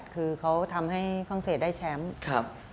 คือเขาทำให้ฟังเศรษฐ์ได้แชมป์